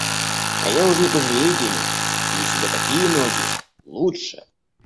А я уж не пожалею денег: куплю себе такие ноги, лучше.